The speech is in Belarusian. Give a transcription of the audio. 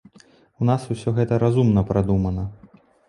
У нас усё гэта разумна прадумана.